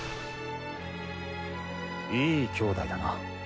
いい姉弟だな。